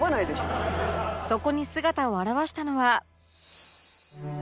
そこに姿を現したのは